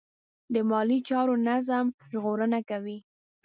د مالي چارو نظم ژغورنه کوي.